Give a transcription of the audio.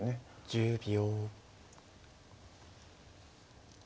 １０秒。